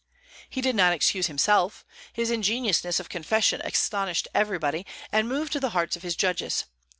He did not excuse himself. His ingenuousness of confession astonished everybody, and moved the hearts of his judges.